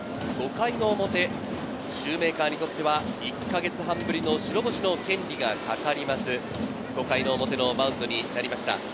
５回の表、シューメーカーにとっては１か月半ぶりの白星の権利がかかります、５回の表のマウンドになりました。